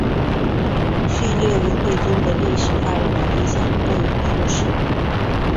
旭烈兀对中国历史发展的影响不容忽视。